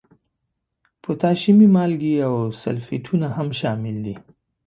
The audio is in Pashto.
پوتاشیمي مالګې او سلفیټونه هم شامل دي.